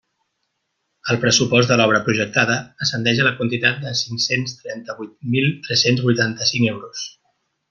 El pressupost de l'obra projectada ascendeix a la quantitat de cinc-cents trenta-vuit mil tres-cents vuitanta-cinc euros.